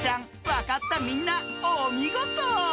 わかったみんなおみごと。